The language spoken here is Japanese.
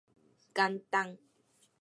元旦